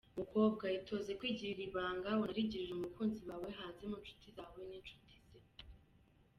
Mukobwa, itoze kwigirira ibanga unarigirire umukunzi wawe hanze mu nshuti zawe n’inshuti ze.